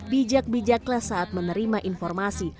bijak bijaklah saat menerima informasi